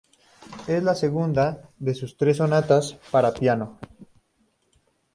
Es la segunda de sus tres sonatas para piano.